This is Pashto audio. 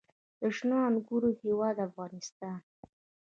د شنو انګورو هیواد افغانستان.